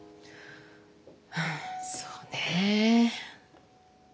うんそうねえ。